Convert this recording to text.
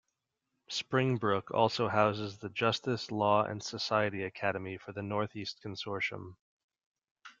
Springbrook also houses the Justice, Law and Society Academy for the Northeast Consortium.